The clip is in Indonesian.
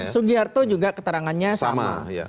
sugiarto juga keterangannya sama